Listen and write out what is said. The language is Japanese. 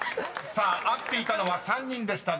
［さあ合っていたのは３人でした。